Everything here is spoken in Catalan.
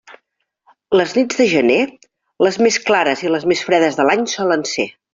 Les nits de gener, les més clares i les més fredes de l'any solen ser.